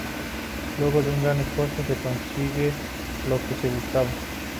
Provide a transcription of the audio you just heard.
Luego de un gran esfuerzo, se consigue lo que se buscaba.